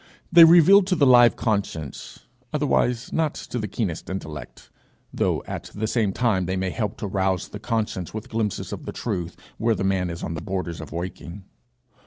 They reveal to the live conscience, otherwise not to the keenest intellect though at the same time they may help to rouse the conscience with glimpses of the truth, where the man is on the borders of waking.